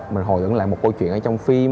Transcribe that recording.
mình hồi ứng lại một câu chuyện ở trong phim